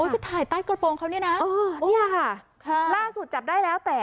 โอ้ยไปถ่ายใต้กระโปรงเขานี่น่ะเออเนี่ยค่ะค่ะล่าสุดจับได้แล้วแต่